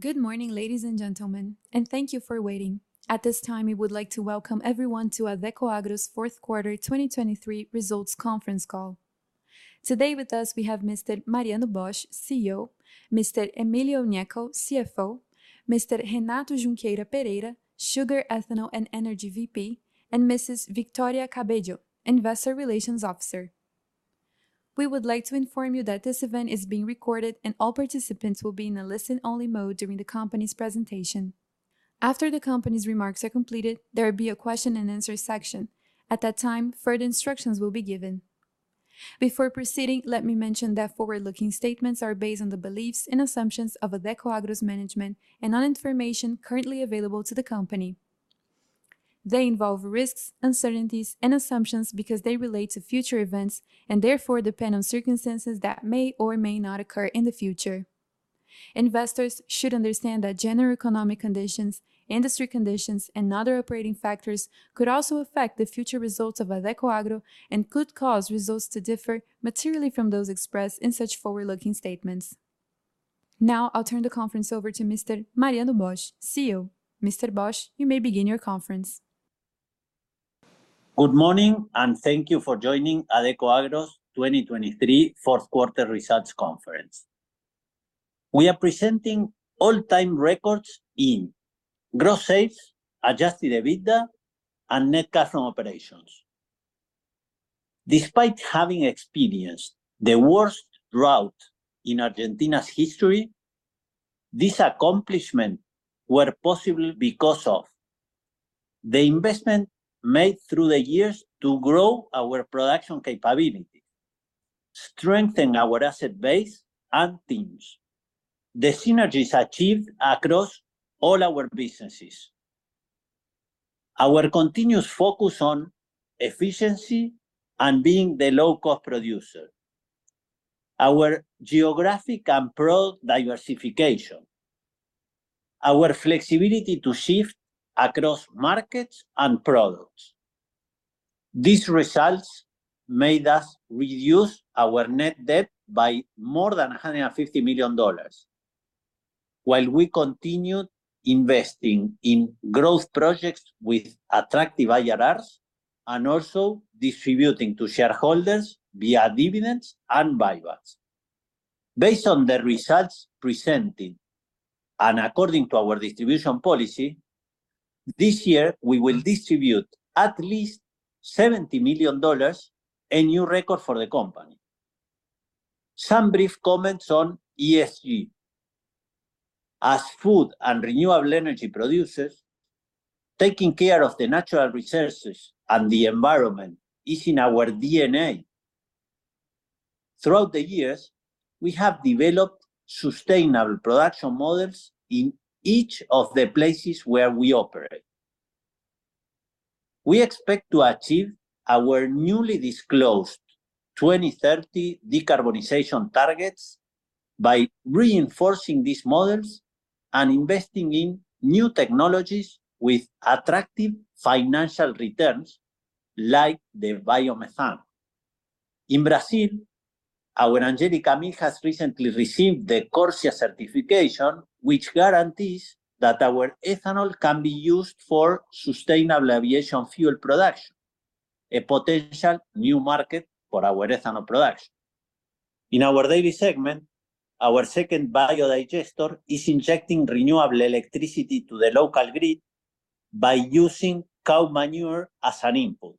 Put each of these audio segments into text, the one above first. Good morning, ladies and gentlemen, and thank you for waiting. At this time, we would like to welcome everyone to Adecoagro's fourth quarter 2023 results conference call. Today with us, we have Mr. Mariano Bosch, CEO, Mr. Emilio Gnecco, CFO, Mr. Renato Junqueira Pereira, Sugar, Ethanol, and Energy VP, and Mrs. Victoria Cabello, Investor Relations Officer. We would like to inform you that this event is being recorded, and all participants will be in a listen-only mode during the company's presentation. After the company's remarks are completed, there will be a question-and-answer section. At that time, further instructions will be given. Before proceeding, let me mention that forward-looking statements are based on the beliefs and assumptions of Adecoagro's management and on information currently available to the company. They involve risks, uncertainties, and assumptions because they relate to future events and therefore depend on circumstances that may or may not occur in the future. Investors should understand that general economic conditions, industry conditions, and other operating factors could also affect the future results of Adecoagro and could cause results to differ materially from those expressed in such forward-looking statements. Now, I'll turn the conference over to Mr. Mariano Bosch, CEO. Mr. Bosch, you may begin your conference. Good morning, and thank you for joining Adecoagro's 2023 fourth quarter results conference. We are presenting all-time records in gross sales, Adjusted EBITDA, and Net Cash from Operations. Despite having experienced the worst drought in Argentina's history, these accomplishments were possible because of the investment made through the years to grow our production capability, strengthen our asset base and teams, the synergies achieved across all our businesses, our continuous focus on efficiency and being the low-cost producer, our geographic and product diversification, our flexibility to shift across markets and products. These results made us reduce our net debt by more than $150 million, while we continued investing in growth projects with attractive IRRs and also distributing to shareholders via dividends and buybacks. Based on the results presented, and according to our distribution policy, this year we will distribute at least $70 million, a new record for the company. Some brief comments on ESG. As food and renewable energy producers, taking care of the natural resources and the environment is in our DNA. Throughout the years, we have developed sustainable production models in each of the places where we operate. We expect to achieve our newly disclosed 2030 decarbonization targets by reinforcing these models and investing in new technologies with attractive financial returns, like the biomethane. In Brazil, our Angélica Mill has recently received the CORSIA certification, which guarantees that our ethanol can be used for sustainable aviation fuel production, a potential new market for our ethanol products. In our dairy segment, our second biodigester is injecting renewable electricity to the local grid by using cow manure as an input.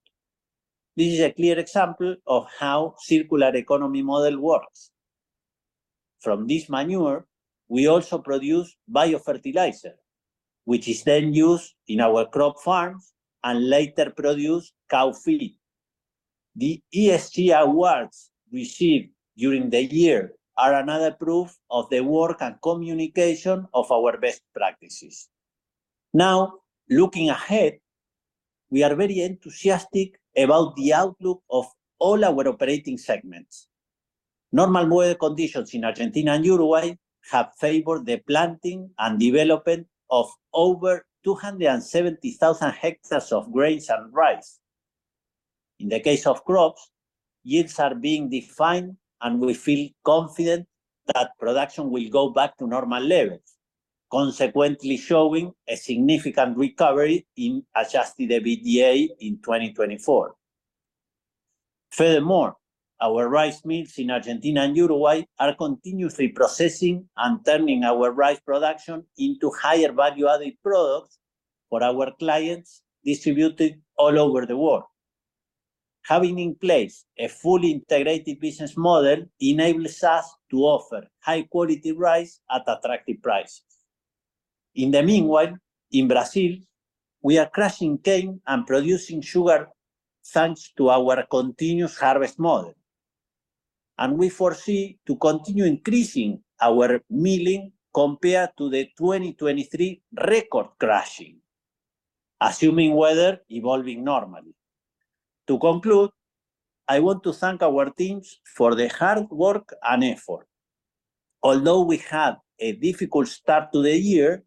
This is a clear example of how circular economy model works. From this manure, we also produce biofertilizer, which is then used in our crop farms and later produce cow feed. The ESG awards received during the year are another proof of the work and communication of our best practices. Now, looking ahead, we are very enthusiastic about the outlook of all our operating segments. Normal weather conditions in Argentina and Uruguay have favored the planting and development of over 270,000 hectares of grains and rice. In the case of crops, yields are being defined, and we feel confident that production will go back to normal levels, consequently showing a significant recovery in adjusted EBITDA in 2024. Furthermore, our rice mills in Argentina and Uruguay are continuously processing and turning our rice production into higher value-added products for our clients distributed all over the world. Having in place a fully integrated business model enables us to offer high-quality rice at attractive prices. In the meanwhile, in Brazil, we are crushing cane and producing sugar, thanks to our continuous harvest model, and we foresee to continue increasing our milling compared to the 2023 record crushing, assuming weather evolving normally. To conclude, I want to thank our teams for their hard work and effort. Although we had a difficult start to the year,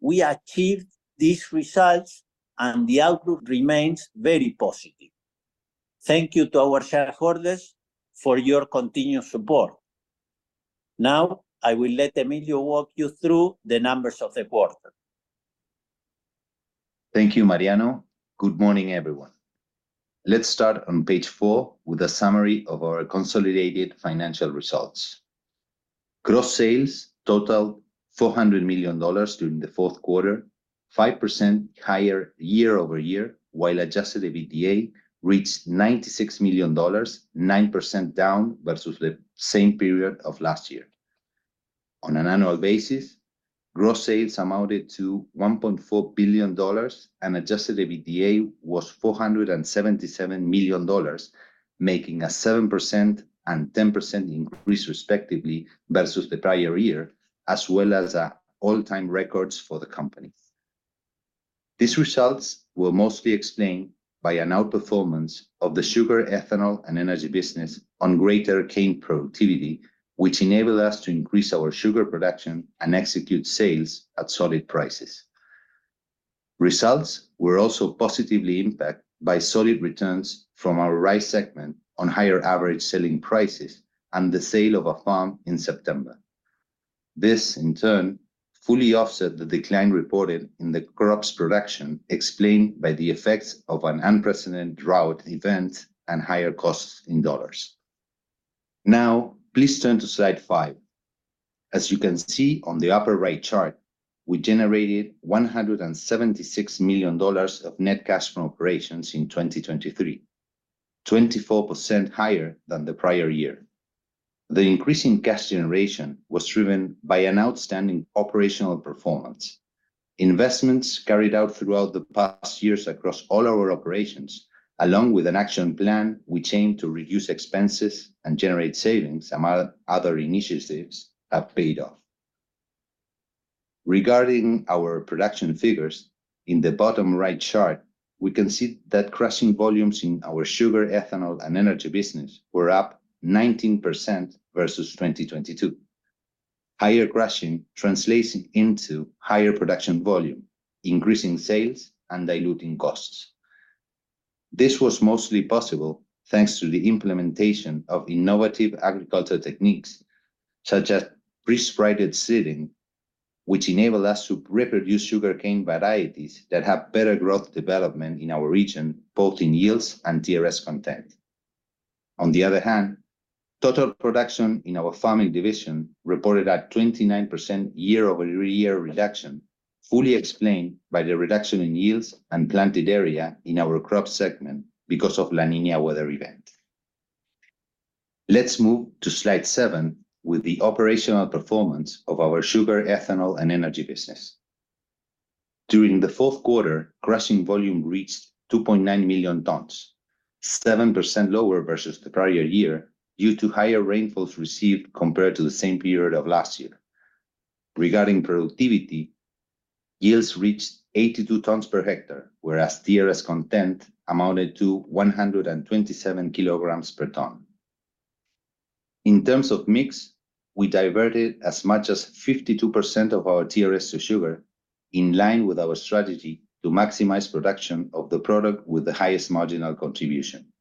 we achieved these results, and the outlook remains very positive. Thank you to our shareholders for your continued support. Now, I will let Emilio walk you through the numbers of the quarter. Thank you, Mariano. Good morning, everyone. Let's start on page four with a summary of our consolidated financial results. Gross sales totaled $400 million during the fourth quarter, 5% higher year-over-year, while Adjusted EBITDA reached $96 million, 9% down versus the same period of last year. On an annual basis, gross sales amounted to $1.4 billion, and Adjusted EBITDA was $477 million, making a 7% and 10% increase, respectively, versus the prior year, as well as all-time records for the company. These results were mostly explained by an outperformance of the sugar, ethanol, and energy business on greater cane productivity, which enabled us to increase our sugar production and execute sales at solid prices. Results were also positively impacted by solid returns from our rice segment on higher average selling prices and the sale of a farm in September. This, in turn, fully offset the decline reported in the crops production, explained by the effects of an unprecedented drought event and higher costs in dollars. Now, please turn to slide five. As you can see on the upper-right chart, we generated $176 million of net cash from operations in 2023, 24% higher than the prior year. The increase in cash generation was driven by an outstanding operational performance. Investments carried out throughout the past years across all our operations, along with an action plan, we aimed to reduce expenses and generate savings, among other initiatives, have paid off. Regarding our production figures, in the bottom-right chart, we can see that crushing volumes in our sugar, ethanol, and energy business were up 19% versus 2022. Higher crushing translates into higher production volume, increasing sales, and diluting costs. This was mostly possible, thanks to the implementation of innovative agriculture techniques, such as pre-sprouted seedlings, which enabled us to reproduce sugarcane varieties that have better growth development in our region, both in yields and TRS content. On the other hand, total production in our farming division reported a 29% year-over-year reduction, fully explained by the reduction in yields and planted area in our crop segment because of La Niña weather event. Let's move to Slide 7 with the operational performance of our sugar, ethanol, and energy business. During the fourth quarter, crushing volume reached 2.9 million tons, 7% lower versus the prior year, due to higher rainfalls received compared to the same period of last year. Regarding productivity, yields reached 82 tons per hectare, whereas TRS content amounted to 127 kilograms per ton. In terms of mix, we diverted as much as 52% of our TRS to sugar, in line with our strategy to maximize production of the product with the highest marginal contribution.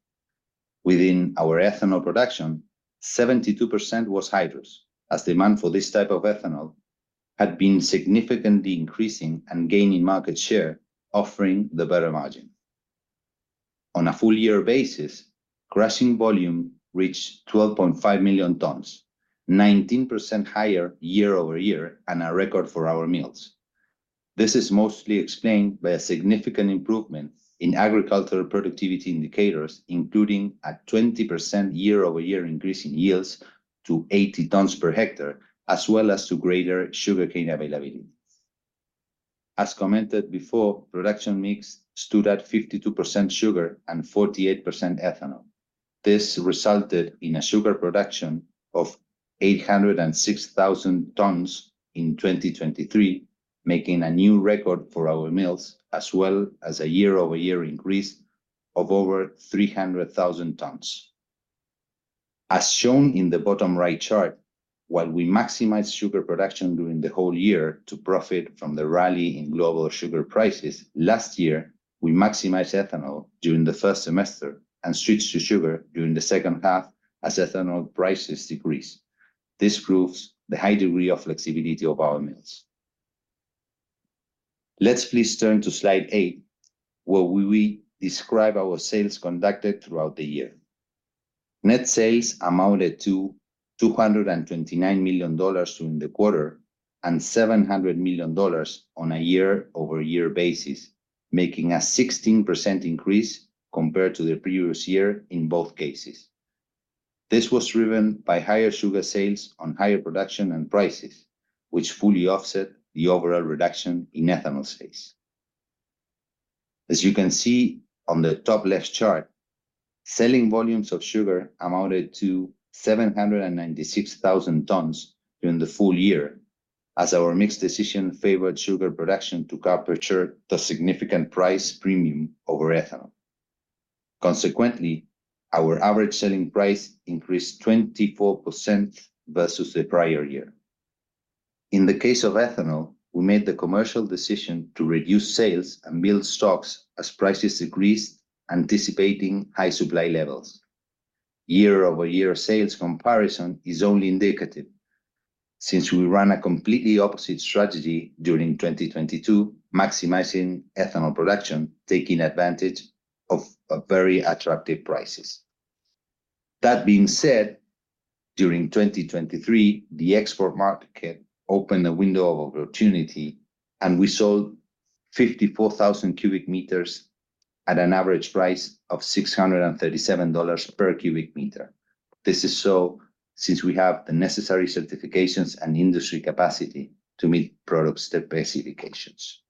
Within our ethanol production, 72% was hydrous, as demand for this type of ethanol had been significantly increasing and gaining market share, offering the better margin. On a full year basis, crushing volume reached 12.5 million tons, 19% higher year-over-year, and a record for our mills. This is mostly explained by a significant improvement in agricultural productivity indicators, including a 20% year-over-year increase in yields to 80 tons per hectare, as well as to greater sugarcane availability. As commented before, production mix stood at 52% sugar and 48% ethanol. This resulted in a sugar production of 806,000 tons in 2023, making a new record for our mills, as well as a year-over-year increase of over 300,000 tons. As shown in the bottom-right chart, while we maximize sugar production during the whole year to profit from the rally in global sugar prices, last year, we maximized ethanol during the first semester and switched to sugar during the second half as ethanol prices decreased. This proves the high degree of flexibility of our mills. Let's please turn to slide 8, where we will describe our sales conducted throughout the year. Net sales amounted to $229 million during the quarter, and $700 million on a year-over-year basis, making a 16% increase compared to the previous year in both cases. This was driven by higher sugar sales on higher production and prices, which fully offset the overall reduction in ethanol sales. As you can see on the top-left chart, selling volumes of sugar amounted to 796,000 tons during the full year, as our mix decision favored sugar production to capture the significant price premium over ethanol. Consequently, our average selling price increased 24% versus the prior year.... In the case of ethanol, we made the commercial decision to reduce sales and build stocks as prices decreased, anticipating high supply levels. Year-over-year sales comparison is only indicative, since we ran a completely opposite strategy during 2022, maximizing ethanol production, taking advantage of a very attractive prices. That being said, during 2023, the export market opened a window of opportunity, and we sold 54,000 cubic meters at an average price of $637 per cubic meter. This is so, since we have the necessary certifications and industry capacity to meet product specifications.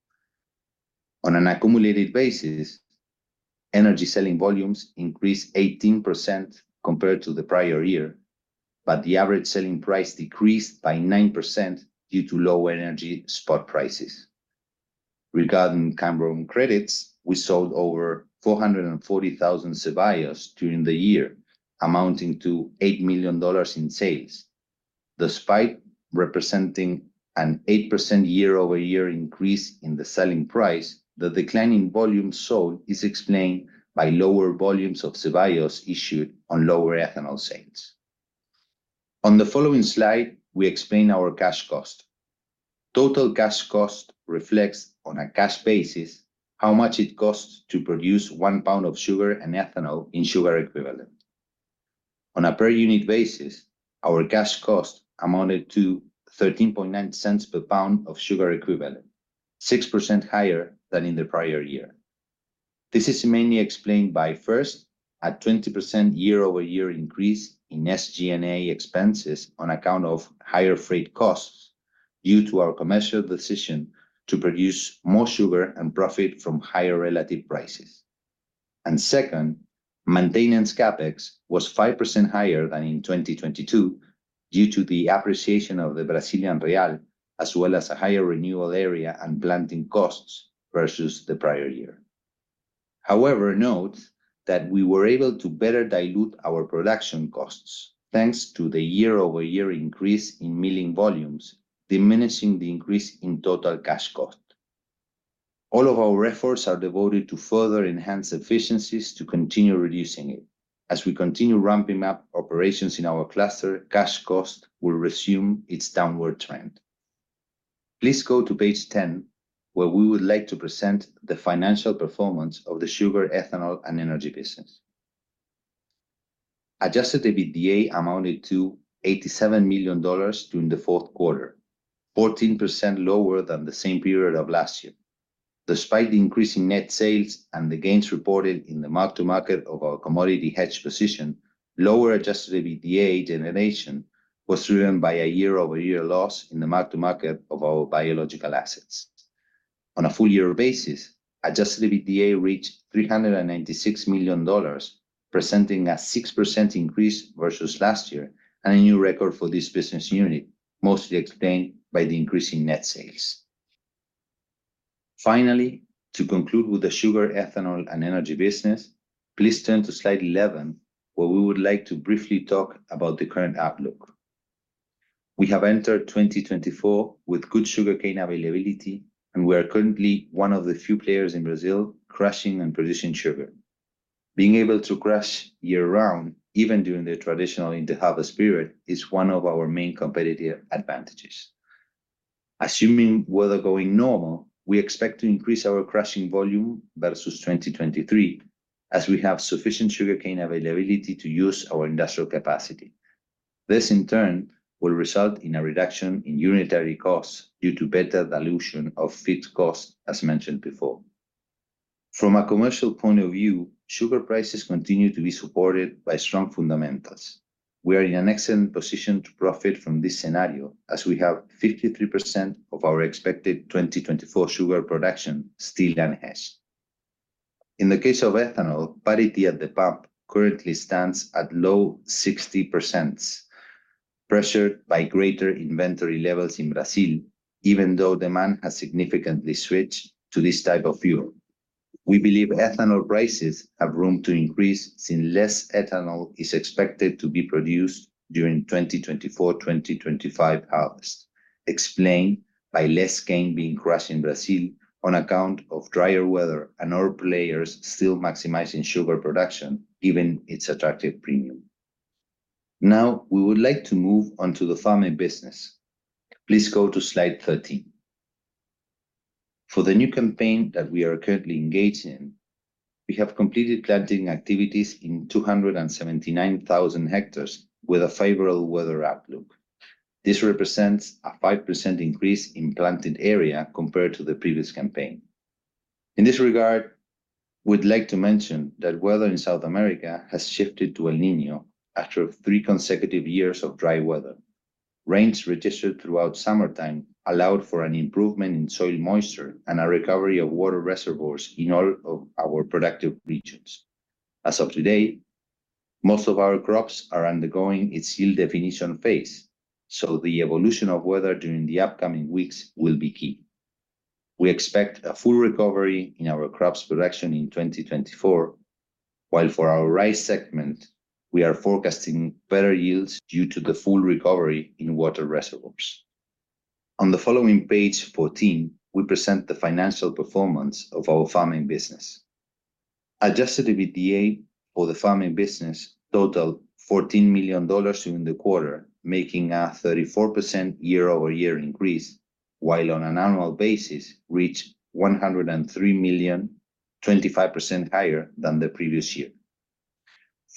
On an accumulated basis, energy selling volumes increased 18% compared to the prior year, but the average selling price decreased by 9% due to lower energy spot prices. Regarding carbon credits, we sold over 440,000 CBIOs during the year, amounting to $8 million in sales. Despite representing an 8% year-over-year increase in the selling price, the declining volume sold is explained by lower volumes of CBIOs issued on lower ethanol sales. On the following slide, we explain our cash cost. Total cash cost reflects, on a cash basis, how much it costs to produce one pound of sugar and ethanol in sugar equivalent. On a per unit basis, our cash cost amounted to $0.139 per pound of sugar equivalent, 6% higher than in the prior year. This is mainly explained by, first, a 20% year-over-year increase in SG&A expenses on account of higher freight costs, due to our commercial decision to produce more sugar and profit from higher relative prices. And second, maintenance CapEx was 5% higher than in 2022 due to the appreciation of the Brazilian real, as well as a higher renewal area and planting costs versus the prior year. However, note that we were able to better dilute our production costs, thanks to the year-over-year increase in milling volumes, diminishing the increase in total cash cost. All of our efforts are devoted to further enhance efficiencies to continue reducing it. As we continue ramping up operations in our cluster, cash cost will resume its downward trend. Please go to page 10, where we would like to present the financial performance of the sugar, ethanol, and energy business. Adjusted EBITDA amounted to $87 million during the fourth quarter, 14% lower than the same period of last year. Despite the increase in net sales and the gains reported in the mark-to-market of our commodity hedge position, lower adjusted EBITDA generation was driven by a year-over-year loss in the mark-to-market of our biological assets. On a full year basis, adjusted EBITDA reached $396 million, presenting a 6% increase versus last year, and a new record for this business unit, mostly explained by the increase in net sales. Finally, to conclude with the sugar, ethanol, and energy business, please turn to slide 11, where we would like to briefly talk about the current outlook. We have entered 2024 with good sugarcane availability, and we are currently one of the few players in Brazil crushing and producing sugar. Being able to crush year-round, even during the traditional inter-harvest period, is one of our main competitive advantages. Assuming weather going normal, we expect to increase our crushing volume versus 2023, as we have sufficient sugarcane availability to use our industrial capacity. This, in turn, will result in a reduction in unitary costs due to better dilution of fixed costs, as mentioned before. From a commercial point of view, sugar prices continue to be supported by strong fundamentals. We are in an excellent position to profit from this scenario, as we have 53% of our expected 2024 sugar production still unhedged. In the case of ethanol, parity at the pump currently stands at low 60%, pressured by greater inventory levels in Brazil, even though demand has significantly switched to this type of fuel. We believe ethanol prices have room to increase, since less ethanol is expected to be produced during 2024/2025 harvest, explained by less cane being crushed in Brazil on account of drier weather and other players still maximizing sugar production, given its attractive premium. Now, we would like to move on to the farming business. Please go to slide 13. For the new campaign that we are currently engaged in, we have completed planting activities in 279,000 hectares with a favorable weather outlook. This represents a 5% increase in planted area compared to the previous campaign. In this regard, we'd like to mention that weather in South America has shifted to El Niño after three consecutive years of dry weather. Rains registered throughout summertime allowed for an improvement in soil moisture and a recovery of water reservoirs in all of our productive regions. As of today, most of our crops are undergoing its yield definition phase, so the evolution of weather during the upcoming weeks will be key. We expect a full recovery in our crops production in 2024, while for our rice segment, we are forecasting better yields due to the full recovery in water reservoirs. On the following page, 14, we present the financial performance of our farming business. Adjusted EBITDA for the farming business totaled $14 million during the quarter, making a 34% year-over-year increase, while on an annual basis, reached $103 million, 25% higher than the previous year.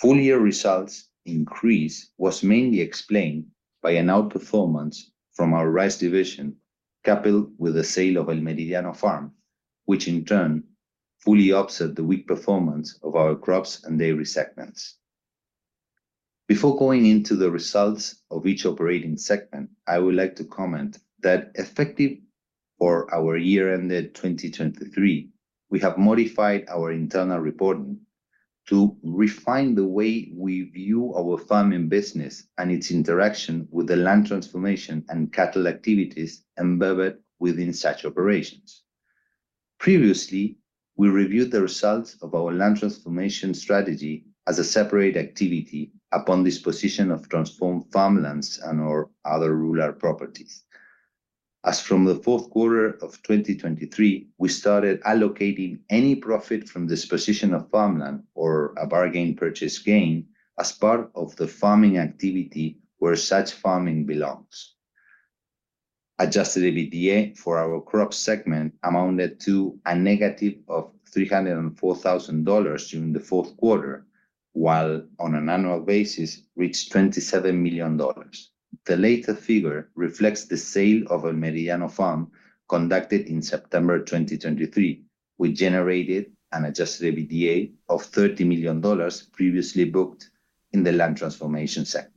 Full year results increase was mainly explained by an outperformance from our rice division, coupled with the sale of El Meridiano farm, which in turn fully offset the weak performance of our crops and dairy segments. Before going into the results of each operating segment, I would like to comment that effective for our year ended 2023, we have modified our internal reporting to refine the way we view our farming business and its interaction with the land transformation and cattle activities embedded within such operations. Previously, we reviewed the results of our land transformation strategy as a separate activity upon disposition of transformed farmlands and/or other rural properties. As from the fourth quarter of 2023, we started allocating any profit from disposition of farmland or a bargain purchase gain as part of the farming activity where such farming belongs. Adjusted EBITDA for our crop segment amounted to a negative of $304,000 during the fourth quarter, while on an annual basis, reached $27 million. The later figure reflects the sale of El Meridiano farm conducted in September 2023, which generated an Adjusted EBITDA of $30 million previously booked in the land transformation segment.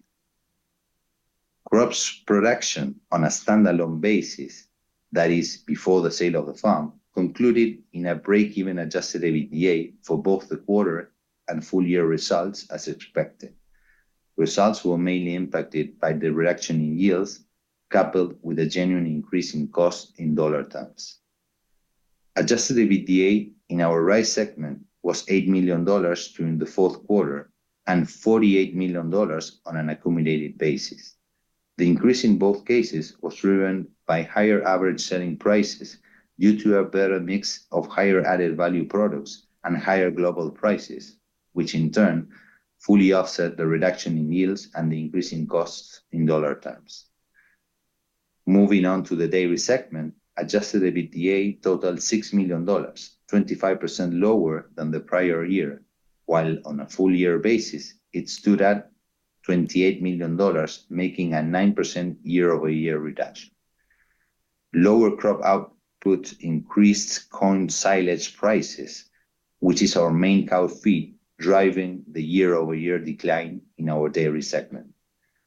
Crops production on a standalone basis, that is, before the sale of the farm, concluded in a break-even Adjusted EBITDA for both the quarter and full year results as expected. Results were mainly impacted by the reduction in yields, coupled with a genuine increase in cost in dollar terms. Adjusted EBITDA in our rice segment was $8 million during the fourth quarter, and $48 million on an accumulated basis. The increase in both cases was driven by higher average selling prices due to a better mix of higher added value products and higher global prices, which in turn fully offset the reduction in yields and the increase in costs in dollar terms. Moving on to the dairy segment, adjusted EBITDA totaled $6 million, 25% lower than the prior year, while on a full year basis, it stood at $28 million, making a 9% year-over-year reduction. Lower crop output increased corn silage prices, which is our main cow feed, driving the year-over-year decline in our dairy segment.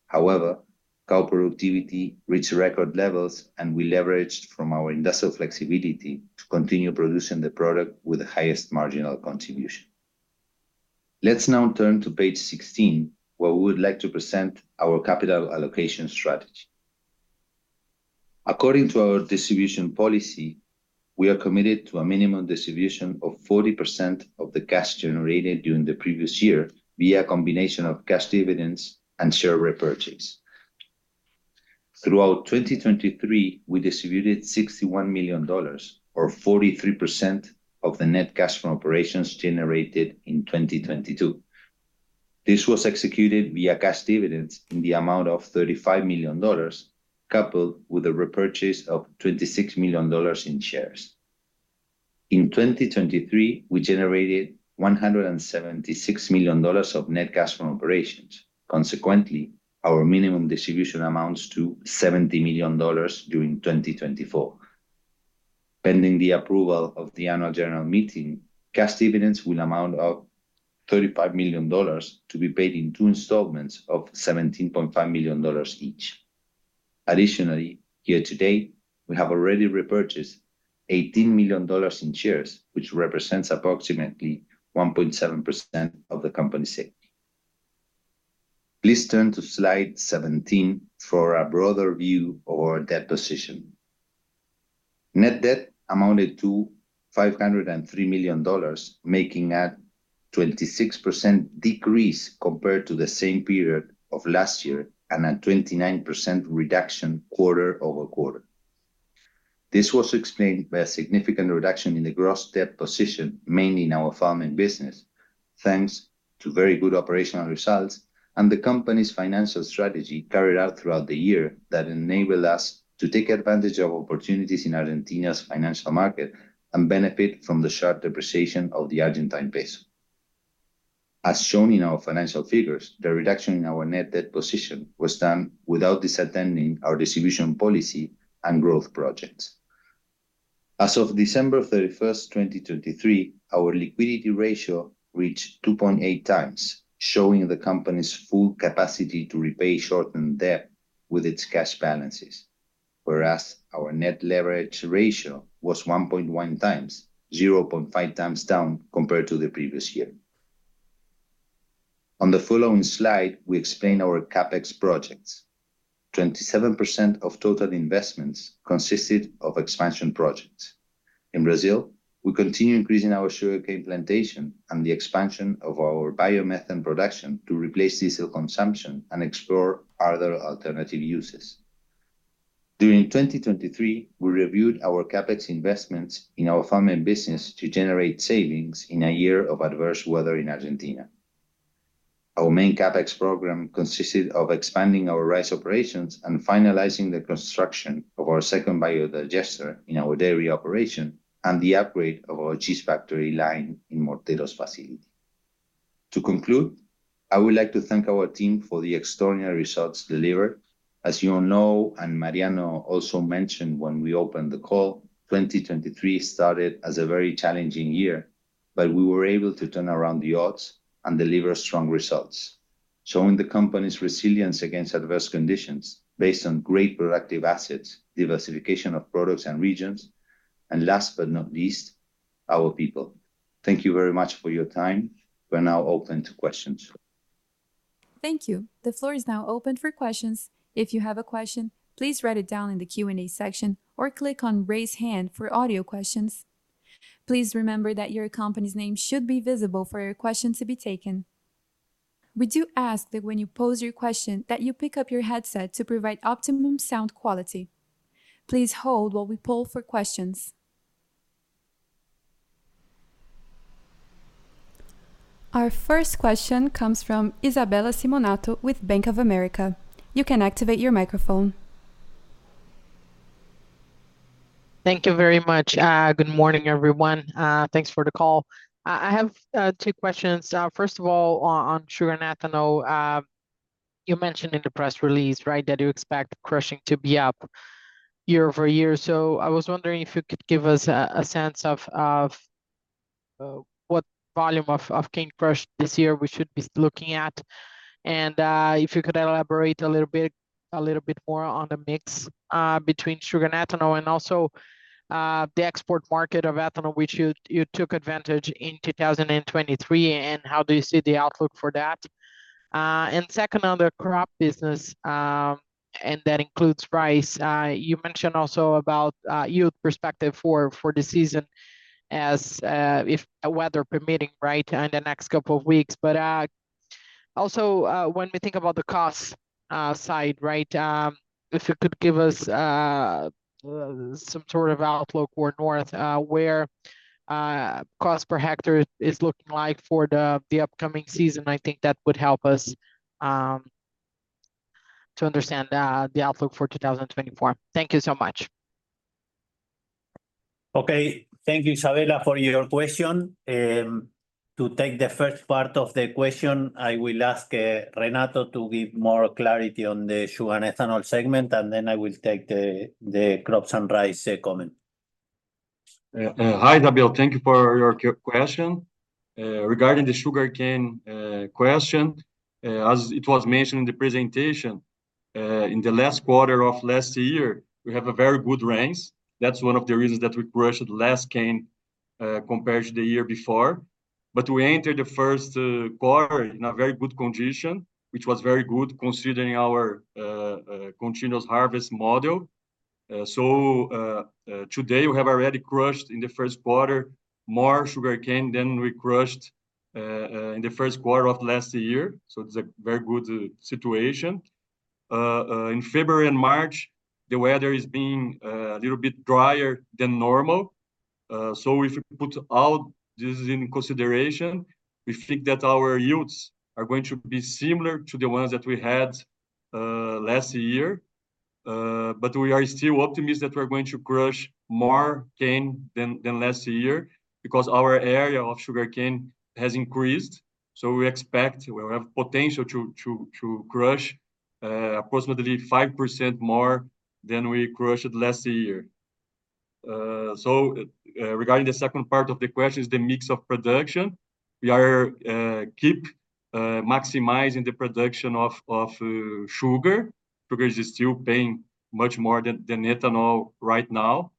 However, cow productivity reached record levels, and we leveraged from our industrial flexibility to continue producing the product with the highest marginal contribution. Let's now turn to page 16, where we would like to present our capital allocation strategy. According to our distribution policy, we are committed to a minimum distribution of 40% of the cash generated during the previous year via a combination of cash dividends and share repurchase. Throughout 2023, we distributed $61 million, or 43% of the net cash from operations generated in 2022. This was executed via cash dividends in the amount of $35 million, coupled with a repurchase of $26 million in shares. In 2023, we generated $176 million of net cash from operations. Consequently, our minimum distribution amounts to $70 million during 2024. Pending the approval of the Annual General Meeting, cash dividends will amount of $35 million, to be paid in two installments of $17.5 million each. Additionally, year to date, we have already repurchased $18 million in shares, which represents approximately 1.7% of the company's equity. Please turn to slide 17 for a broader view of our debt position. Net debt amounted to $503 million, making a 26% decrease compared to the same period of last year, and a 29% reduction quarter over quarter. This was explained by a significant reduction in the gross debt position, mainly in our farming business, thanks to very good operational results and the company's financial strategy carried out throughout the year that enabled us to take advantage of opportunities in Argentina's financial market and benefit from the sharp depreciation of the Argentine peso. As shown in our financial figures, the reduction in our net debt position was done without disentangling our distribution policy and growth projects. As of December 31, 2023, our liquidity ratio reached 2.8 times, showing the company's full capacity to repay short-term debt with its cash balances, whereas our net leverage ratio was 1.1 times, 0.5 times down compared to the previous year. On the following slide, we explain our CapEx projects. 27% of total investments consisted of expansion projects. In Brazil, we continue increasing our sugarcane plantation and the expansion of our biomethane production to replace diesel consumption and explore other alternative uses. During 2023, we reviewed our CapEx investments in our farming business to generate savings in a year of adverse weather in Argentina. Our main CapEx program consisted of expanding our rice operations and finalizing the construction of our second biodigester in our dairy operation, and the upgrade of our cheese factory line in Morteros facility. To conclude, I would like to thank our team for the extraordinary results delivered. As you all know, and Mariano also mentioned when we opened the call, 2023 started as a very challenging year, but we were able to turn around the odds and deliver strong results, showing the company's resilience against adverse conditions based on great productive assets, diversification of products and regions, and last but not least, our people. Thank you very much for your time. We're now open to questions. Thank you. The floor is now open for questions. If you have a question, please write it down in the Q&A section or click on Raise Hand for audio questions. Please remember that your company's name should be visible for your question to be taken. We do ask that when you pose your question, that you pick up your headset to provide optimum sound quality. Please hold while we poll for questions. Our first question comes from Isabella Simonato with Bank of America. You can activate your microphone. Thank you very much. Good morning, everyone. Thanks for the call. I have two questions. First of all, on sugar and ethanol. You mentioned in the press release, right, that you expect crushing to be up year-over-year. So I was wondering if you could give us a sense of what volume of cane crush this year we should be looking at? And if you could elaborate a little bit more on the mix between sugar and ethanol, and also the export market of ethanol, which you took advantage in 2023, and how do you see the outlook for that? And second, on the crop business, and that includes rice. You mentioned also about yield perspective for the season as if weather permitting, right, in the next couple of weeks. But also, when we think about the cost side, right, if you could give us some sort of outlook or north where cost per hectare is looking like for the upcoming season, I think that would help us to understand the outlook for 2024. Thank you so much. Okay. Thank you, Isabella, for your question. To take the first part of the question, I will ask, Renato to give more clarity on the sugar and ethanol segment, and then I will take the crops and rice comment. Hi, Isabella. Thank you for your question. Regarding the sugarcane question, as it was mentioned in the presentation, in the last quarter of last year, we have a very good rains. That's one of the reasons that we crushed last cane compared to the year before. But we entered the first quarter in a very good condition, which was very good considering our continuous harvest model. So today, we have already crushed in the first quarter more sugarcane than we crushed in the first quarter of last year, so it's a very good situation. In February and March, the weather is being a little bit drier than normal. So if you put all this in consideration, we think that our yields are going to be similar to the ones that we had last year. But we are still optimistic that we're going to crush more cane than last year, because our area of sugarcane has increased, so we expect we have potential to crush approximately 5% more than we crushed last year. So regarding the second part of the question, is the mix of production. We are keep maximizing the production of sugar, because it's still paying much more than ethanol right now.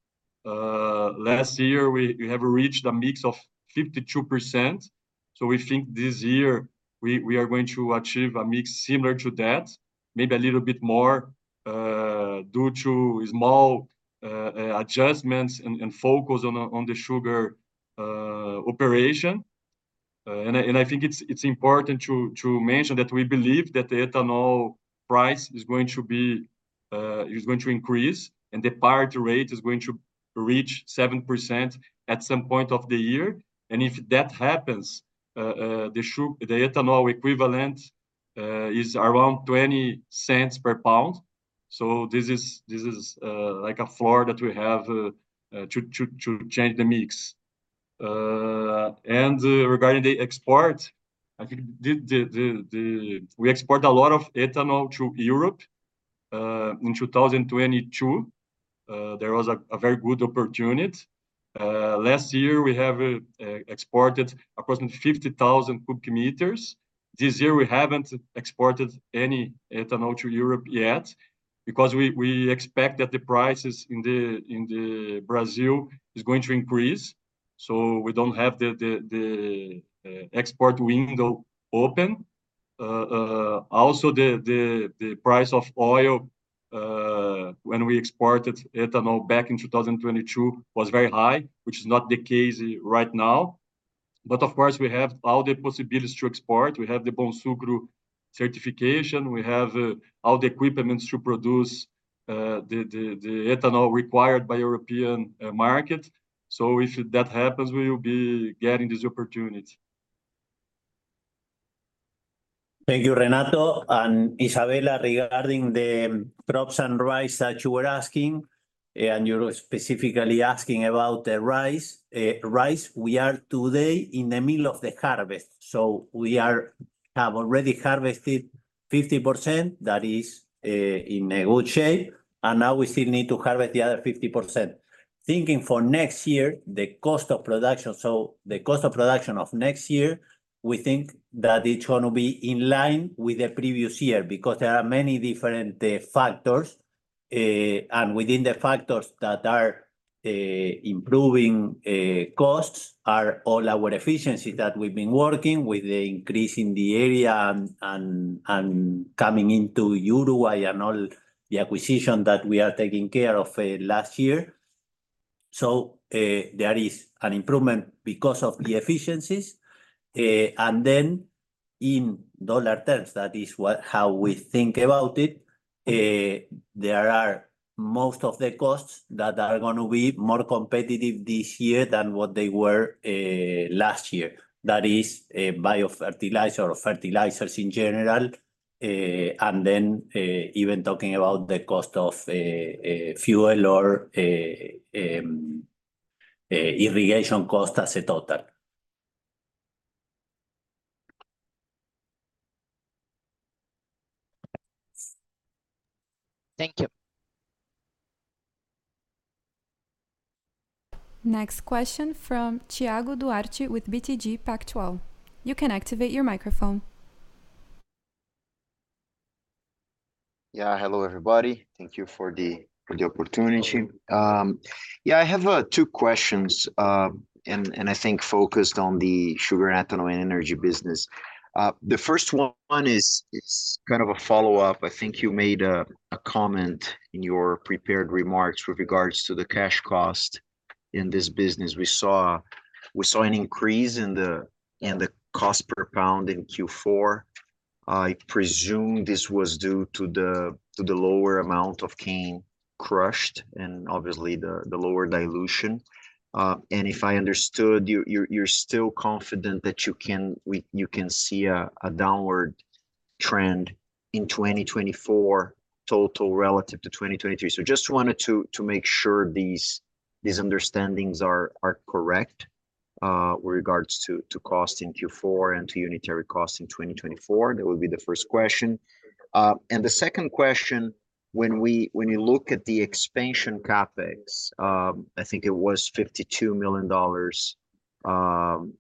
Last year, we, we have reached a mix of 52%, so we think this year we, we are going to achieve a mix similar to that, maybe a little bit more, due to small adjustments and focus on the sugar operation. And I think it's important to mention that we believe that the ethanol price is going to be... is going to increase, and the parity rate is going to reach 70% at some point of the year. And if that happens, the ethanol equivalent is around $0.20 per pound, so this is like a floor that we have to change the mix. And regarding the export, I think we export a lot of ethanol to Europe. In 2022, there was a very good opportunity. Last year, we have exported approximately 50,000 cubic meters. This year, we haven't exported any ethanol to Europe yet, because we expect that the prices in Brazil is going to increase, so we don't have the export window open. Also, the price of oil, when we exported ethanol back in 2022, was very high, which is not the case right now. But of course, we have all the possibilities to export. We have the Bonsucro certification, we have all the equipment to produce the ethanol required by European market. So if that happens, we will be getting this opportunity. Thank you, Renato. And Isabella, regarding the crops and rice that you were asking, and you're specifically asking about the rice. Rice, we are today in the middle of the harvest, so we have already harvested 50%, that is, in a good shape, and now we still need to harvest the other 50%. Thinking for next year, the cost of production, so the cost of production of next year, we think that it's going to be in line with the previous year, because there are many different factors. And within the factors that are improving costs, are all our efficiency that we've been working with the increase in the area and coming into Uruguay and all the acquisition that we are taking care of last year. So, there is an improvement because of the efficiencies. And then in dollar terms, that is what- how we think about it, there are most of the costs that are gonna be more competitive this year than what they were last year. That is, biofertilizer or fertilizers in general, and then even talking about the cost of fuel or irrigation cost as a total. Thank you. Next question from Thiago Duarte with BTG Pactual. You can activate your microphone. Yeah. Hello, everybody. Thank you for the opportunity. Yeah, I have 2 questions, and I think focused on the sugar, ethanol, and energy business. The first one is, it's kind of a follow-up. I think you made a comment in your prepared remarks with regards to the cash cost in this business. We saw an increase in the cost per pound in Q4. I presume this was due to the lower amount of cane crushed, and obviously, the lower dilution. And if I understood, you're still confident that you can see a downward trend in 2024 total relative to 2023. So just wanted to make sure these understandings are correct, with regards to cost in Q4 and to unitary cost in 2024. That would be the first question. And the second question, when you look at the expansion CapEx, I think it was $52 million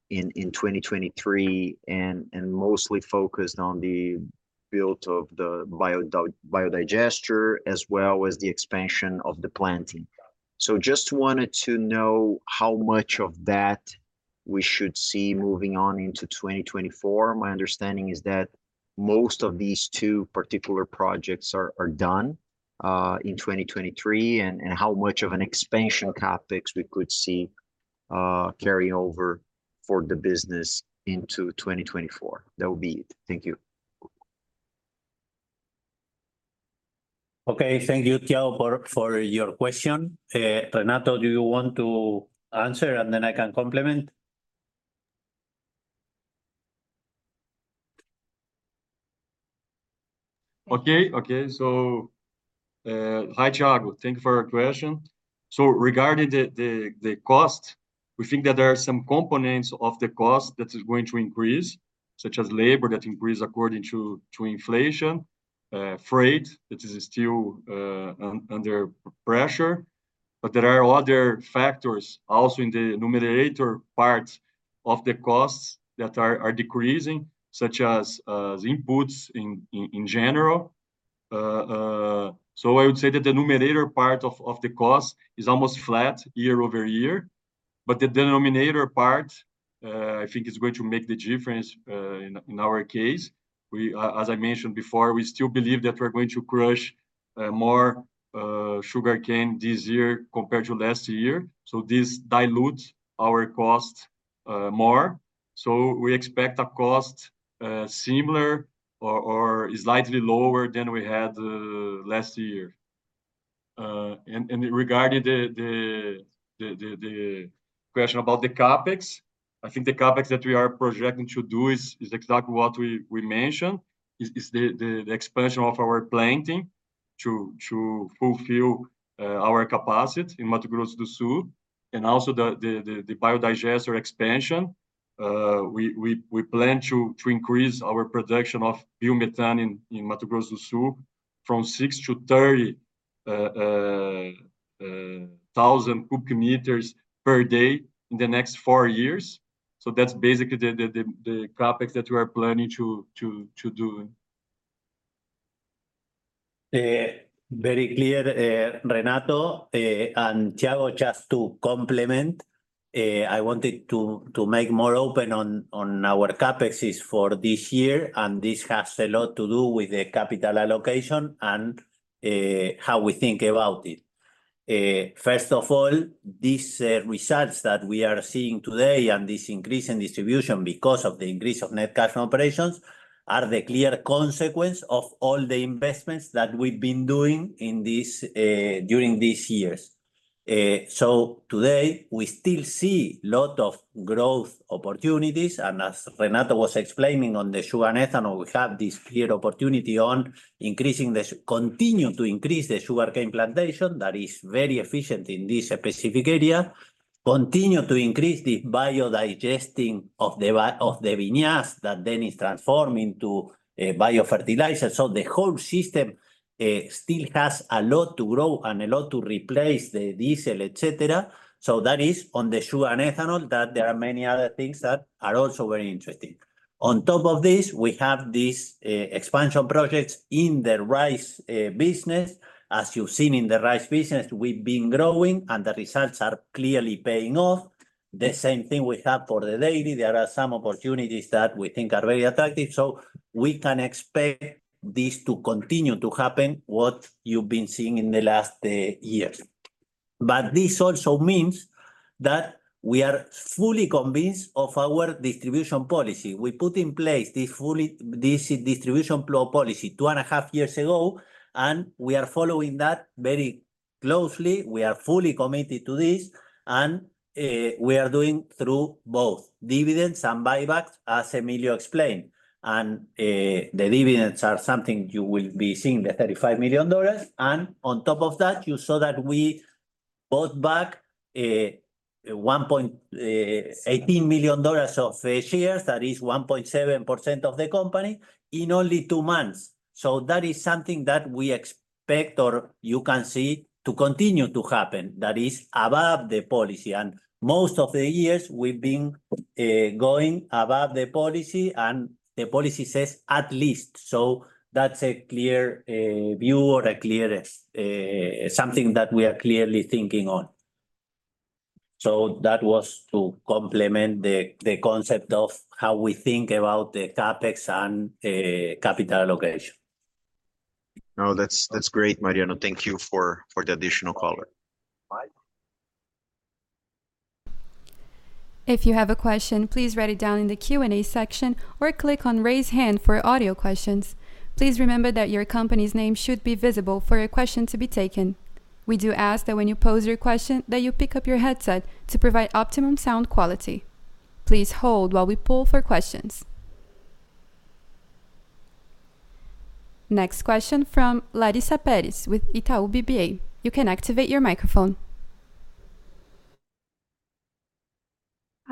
in 2023, and mostly focused on the build of the biodigester, as well as the expansion of the planting. So just wanted to know how much of that we should see moving on into 2024. My understanding is that most of these two particular projects are done in 2023, and how much of an expansion CapEx we could see carry over for the business into 2024. That would be it. Thank you. Okay, thank you, Thiago, for your question. Renato, do you want to answer and then I can complement? Okay. Okay, so, hi, Thiago, thank you for your question. So regarding the cost, we think that there are some components of the cost that is going to increase, such as labor, that increase according to inflation, freight, which is still under pressure. But there are other factors also in the numerator parts of the costs that are decreasing, such as the inputs in general. So I would say that the numerator part of the cost is almost flat year-over-year, but the denominator part, I think is going to make the difference, in our case. We, as I mentioned before, we still believe that we're going to crush more sugarcane this year compared to last year, so this dilutes our cost more. So we expect a cost similar or slightly lower than we had last year. And regarding the question about the CapEx, I think the CapEx that we are projecting to do is exactly what we mentioned, is the expansion of our planting to fulfill our capacity in Mato Grosso do Sul, and also the biodigester expansion. We plan to increase our production of biomethane in Mato Grosso do Sul from 6,000 to 30,000 cubic meters per day in the next four years. So that's basically the CapEx that we are planning to do. Very clear, Renato. And Thiago, just to complement, I wanted to make more open on our CapEx for this year, and this has a lot to do with the capital allocation and how we think about it. First of all, these results that we are seeing today and this increase in distribution because of the increase of net cash from operations are the clear consequence of all the investments that we've been doing during these years. So today, we still see lot of growth opportunities, and as Renato was explaining on the sugar and ethanol, we have this clear opportunity on continuing to increase the sugarcane plantation that is very efficient in this specific area, continue to increase the biodigesting of the vinasse that then is transformed into biofertilizer. So the whole system still has a lot to grow and a lot to replace the diesel, et cetera. So that is on the sugar and ethanol, that there are many other things that are also very interesting. On top of this, we have these expansion projects in the rice business. As you've seen in the rice business, we've been growing, and the results are clearly paying off. The same thing we have for the dairy, there are some opportunities that we think are very attractive, so we can expect this to continue to happen, what you've been seeing in the last years. But this also means that we are fully convinced of our distribution policy. We put in place this distribution policy two and a half years ago, and we are following that very closely. We are fully committed to this, and we are doing through both dividends and buybacks, as Emilio explained. And the dividends are something you will be seeing, the $35 million. And on top of that, you saw that we bought back one point eighteen million dollars of shares, that is 1.7% of the company, in only two months. So that is something that we expect or you can see to continue to happen, that is above the policy. And most of the years, we've been going above the policy, and the policy says at least. So that's a clear view or a clear something that we are clearly thinking on. So that was to complement the concept of how we think about the CapEx and capital allocation. No, that's, that's great, Mariano. Thank you for, for the additional color. Bye. If you have a question, please write it down in the Q&A section or click on Raise Hand for audio questions. Please remember that your company's name should be visible for your question to be taken. We do ask that when you pose your question, that you pick up your headset to provide optimum sound quality. Please hold while we poll for questions. Next question from Larissa Pérez with Itaú BBA. You can activate your microphone.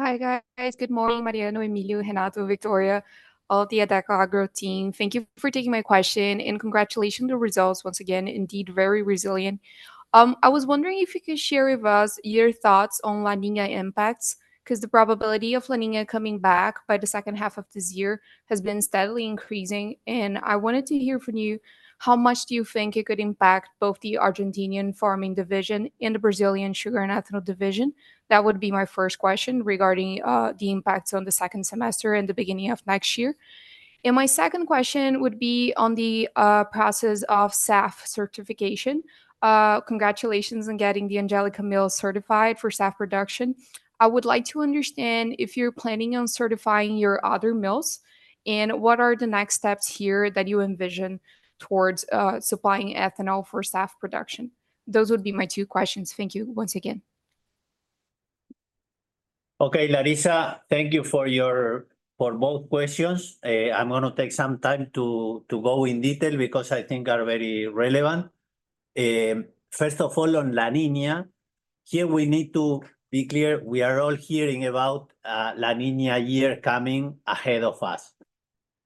Hi, guys. Good morning, Mariano, Emilio, Renato, Victoria, all the Adecoagro team. Thank you for taking my question, and congratulations on the results once again. Indeed, very resilient. I was wondering if you could share with us your thoughts on La Niña impacts, 'cause the probability of La Niña coming back by the second half of this year has been steadily increasing. And I wanted to hear from you, how much do you think it could impact both the Argentine farming division and the Brazilian sugar and ethanol division? That would be my first question regarding the impacts on the second semester and the beginning of next year. And my second question would be on the process of SAF certification. Congratulations on getting the Angélica Mill certified for SAF production. I would like to understand if you're planning on certifying your other mills, and what are the next steps here that you envision towards supplying ethanol for SAF production? Those would be my two questions. Thank you once again. Okay, Larissa, thank you for both questions. I'm gonna take some time to go in detail because I think are very relevant. First of all, on La Niña, here we need to be clear, we are all hearing about La Niña year coming ahead of us.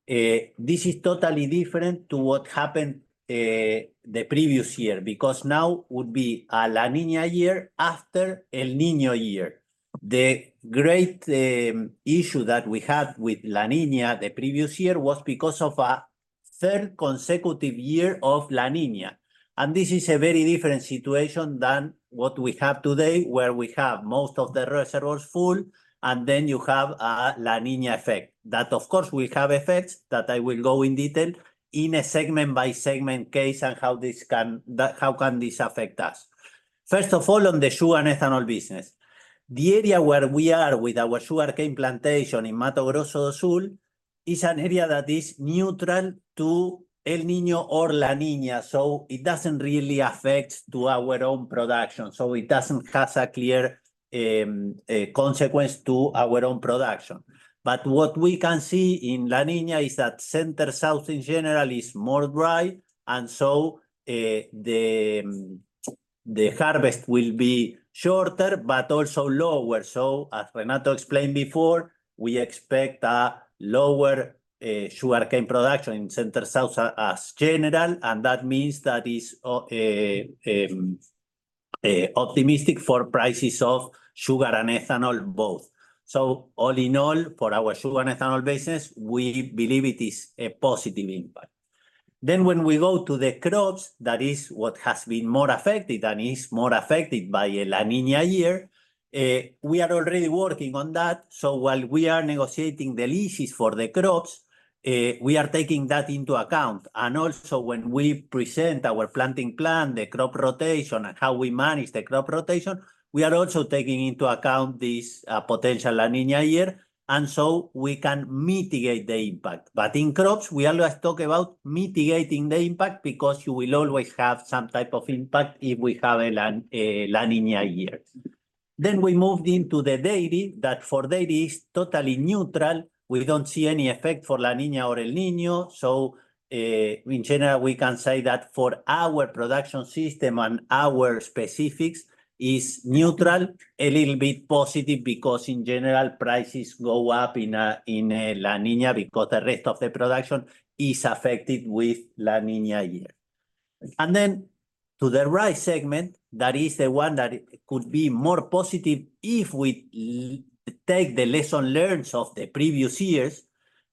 This is totally different to what happened the previous year, because now would be a La Niña year after El Niño year. The great issue that we had with La Niña the previous year was because of a third consecutive year of La Niña. And this is a very different situation than what we have today, where we have most of the reservoirs full, and then you have a La Niña effect. That, of course, will have effects that I will go in detail in a segment-by-segment case on how this can affect us. First of all, on the sugar and ethanol business, the area where we are with our sugarcane plantation in Mato Grosso do Sul is an area that is neutral to El Niño or La Niña, so it doesn't really affect to our own production, so it doesn't have a clear consequence to our own production. But what we can see in La Niña is that Center-South in general is more dry, and so the harvest will be shorter but also lower. So as Renato explained before, we expect a lower sugarcane production in Center-South in general, and that means that is optimistic for prices of sugar and ethanol both. So all in all, for our sugar and ethanol business, we believe it is a positive impact. Then, when we go to the crops, that is what has been more affected and is more affected by a La Niña year, we are already working on that. So while we are negotiating the leases for the crops, we are taking that into account. And also, when we present our planting plan, the crop rotation, and how we manage the crop rotation, we are also taking into account this potential La Niña year, and so we can mitigate the impact. But in crops, we always talk about mitigating the impact, because you will always have some type of impact if we have a La Niña year. Then, we moved into the dairy. That for dairy is totally neutral. We don't see any effect for La Niña or El Niño, so in general, we can say that for our production system and our specifics, is neutral. A little bit positive, because in general, prices go up in a La Niña, because the rest of the production is affected with La Niña year. And then, to the rice segment, that is the one that could be more positive if we take the lesson learned of the previous years,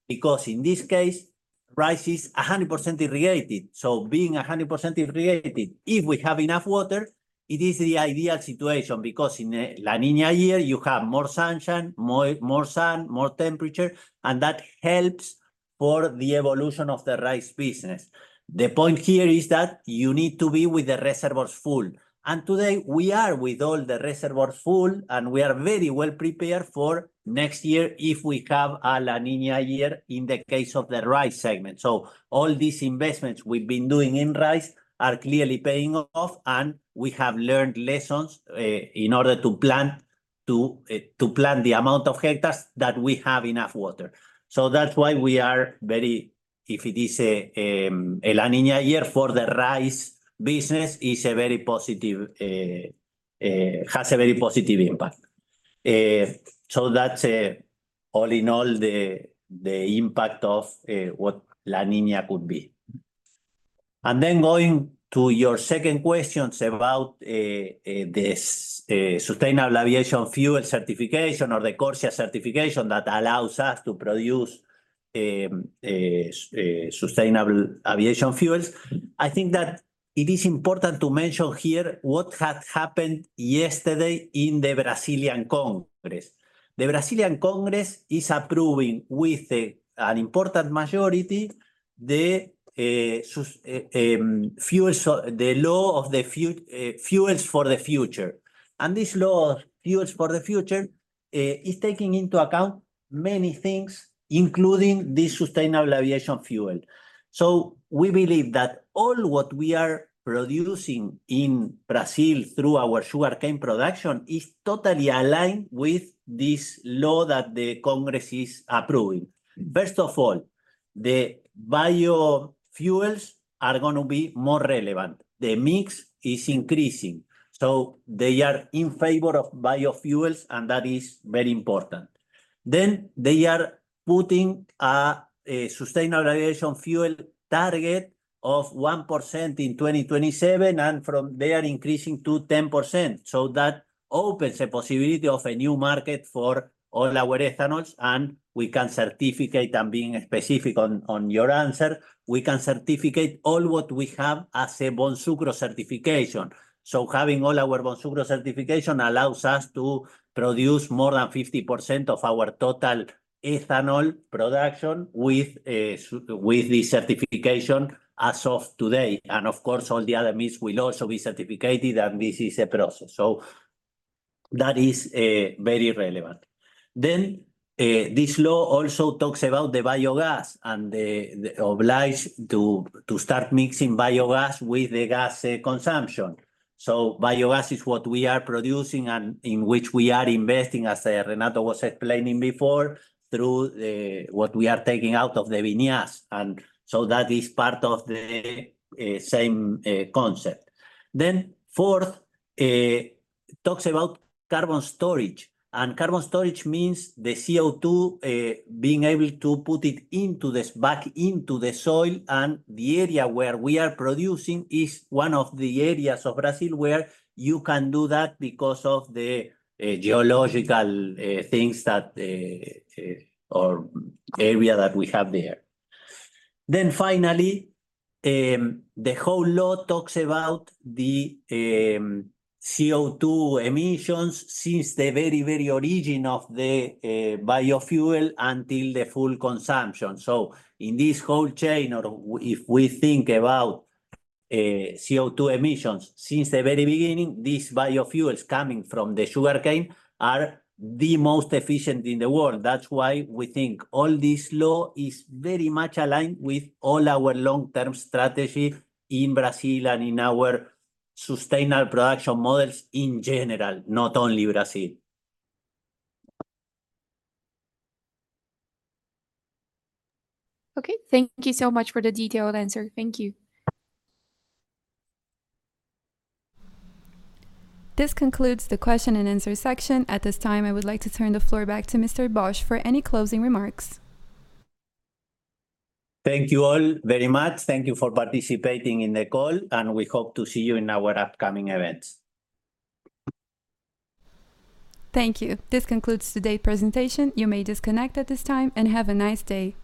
because in this case, rice is 100% irrigated. So being 100% irrigated, if we have enough water, it is the ideal situation, because in a La Niña year, you have more sunshine, more sun, more temperature, and that helps for the evolution of the rice business. The point here is that you need to be with the reservoirs full, and today, we are with all the reservoirs full, and we are very well prepared for next year if we have a La Niña year in the case of the rice segment. So all these investments we've been doing in rice are clearly paying off, and we have learned lessons in order to plant the amount of hectares that we have enough water. So that's why we are very... If it is a La Niña year, for the rice business, is a very positive, has a very positive impact. So that's all in all, the impact of what La Niña could be. And then going to your second questions about the sustainable aviation fuel certification or the CORSIA certification that allows us to produce sustainable aviation fuels. I think that it is important to mention here what had happened yesterday in the Brazilian Congress. The Brazilian Congress is approving with an important majority the Law of the Fuels for the Future. And this Law of Fuels for the Future is taking into account many things, including the sustainable aviation fuel. So we believe that all what we are producing in Brazil through our sugarcane production is totally aligned with this law that the Congress is approving. First of all, the biofuels are gonna be more relevant. The mix is increasing, so they are in favor of biofuels, and that is very important. Then, they are putting a sustainable aviation fuel target of 1% in 2027, and from there, increasing to 10%. So that opens a possibility of a new market for all our ethanols, and we can certificate, and being specific on, on your answer, we can certificate all what we have as a Bonsucro certification. So having all our Bonsucro certification allows us to produce more than 50% of our total ethanol production with the certification as of today. And of course, all the other means will also be certificated, and this is a process, so that is very relevant. Then, this law also talks about the biogas and the oblige to start mixing biogas with the gas consumption. So, biogas is what we are producing and in which we are investing, as Renato was explaining before, through what we are taking out of the vinasse, and so that is part of the same concept. Then, fourth talks about carbon storage. Carbon storage means the CO2 being able to put it into this, back into the soil. The area where we are producing is one of the areas of Brazil where you can do that because of the geological things or area that we have there. Then, finally, the whole law talks about the CO2 emissions since the very, very origin of the biofuel until the full consumption. So in this whole chain, or if we think about, CO2 emissions since the very beginning, these biofuels coming from the sugarcane are the most efficient in the world. That's why we think all this law is very much aligned with all our long-term strategy in Brazil and in our sustainable production models in general, not only Brazil. Okay, thank you so much for the detailed answer. Thank you. This concludes the question and answer section. At this time, I would like to turn the floor back to Mr. Bosch for any closing remarks. Thank you all very much. Thank you for participating in the call, and we hope to see you in our upcoming events. Thank you. This concludes today's presentation. You may disconnect at this time, and have a nice day.